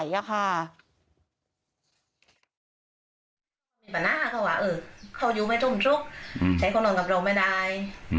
ปันน่าเขาว่าเออเขาอยู่ไม่ทุ่มทุกข์อืมแต่เขานอนกับเราไม่ได้อืม